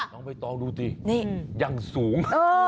น้องเวตองดูสิยังสูง